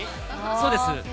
そうです。